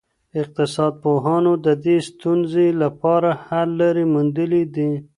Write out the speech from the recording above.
اقتصاد پوهانو د دې ستونزي لپاره حل لاري موندلي دي.